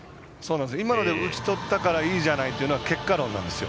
今ので打ち取ったからいいじゃないというのは結果論なんですよ。